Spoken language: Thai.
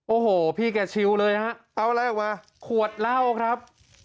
โอ้โหพี่แกชิวเลยฮะเอาอะไรออกมาขวดเหล้าครับ